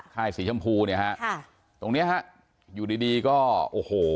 ค่ายสีชมพูเนี่ยฮะค่ะตรงเนี้ยฮะอยู่ดีดีก็โอ้โห